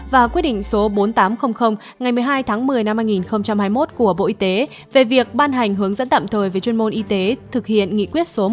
và quyết định số bốn nghìn tám trăm linh ngày một mươi hai tháng một mươi năm hai nghìn hai mươi một của bộ y tế về việc ban hành hướng dẫn tạm thời về chuyên môn y tế thực hiện nghị quyết số một mươi